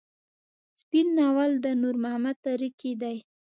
سپين ناول د نور محمد تره کي دی.